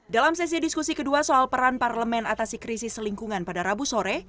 dalam sesi diskusi kedua soal peran parlemen atasi krisis lingkungan pada rabu sore